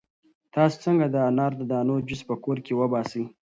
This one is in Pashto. تاسو څنګه د انار د دانو جوس په کور کې وباسئ؟